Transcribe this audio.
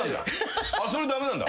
それ駄目なんだ。